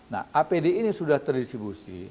nah apd ini sudah terdistribusi